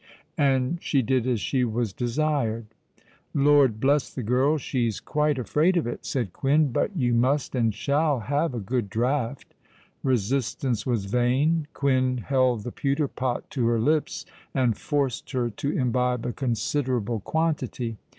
And she did as she was desired. "Lord bless the girl—she's quite afraid of it!" said Quin. "But you must and shall have a good draught." Resistance was vain: Quin held the pewter pot to her lips, and forced her to imbibe a considerable quantity.